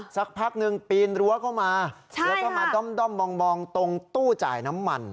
สักพักหนึ่งปีนรั้วเข้ามาแล้วก็มาด้อมมองตรงตู้จ่ายน้ำมัน